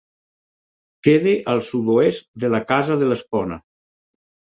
Queda al sud-oest de la Casa de l'Espona.